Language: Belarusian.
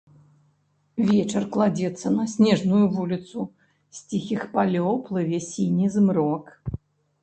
Вечар кладзецца на снежную вуліцу, з ціхіх палёў плыве сіні змрок.